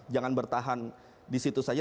jangan bertahan di situ saja